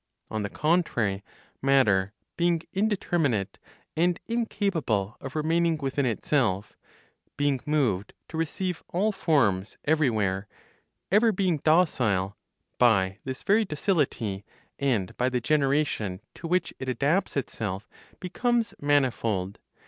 On the contrary, matter, being indeterminate, and incapable of remaining within itself, being moved to receive all forms everywhere, ever being docile, by this very docility, and by the generation (to which it adapts itself), becomes manifold.